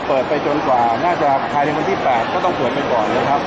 เปิดไปจนกว่าน่าจะภายในวันที่๘ก็ต้องเปิดไปก่อนนะครับ